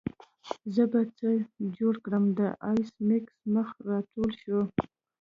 زه به څه جوړ کړم د ایس میکس مخ راټول شو